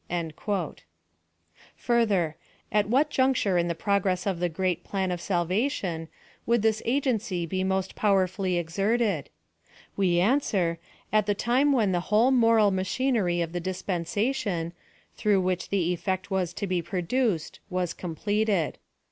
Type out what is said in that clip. ^^ Further : At what juncture in the progress of the * .Tohn 16 : 7—14. 244 PHILOSOPHY OF THE great Plan of Salvation, would this agency be most powerfully exerted ? Wo answer, at the time when the whole moral machinery of the dispensation, through which the elTect was to be produced, was completed.